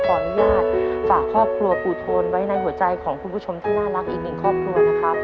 ขออนุญาตฝากครอบครัวปู่โทนไว้ในหัวใจของคุณผู้ชมที่น่ารักอีกหนึ่งครอบครัวนะครับ